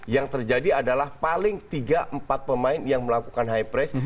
yang terjadi adalah paling tiga empat pemain yang melakukan high press